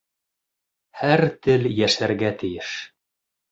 Һәр тел йәшәргә тейеш